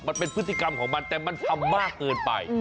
มันเป็นพฤติกรรมของมันแต่มันทำมากเกินไป